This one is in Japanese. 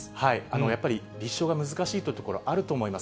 やっぱり立証が難しいというところあると思います。